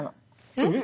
えっ！